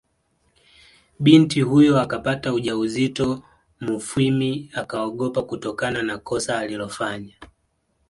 Binti huyo akapata ujauzito Mufwimi akaogopa kutokana na kosa alilolifanya